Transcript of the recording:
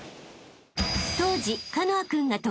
［当時］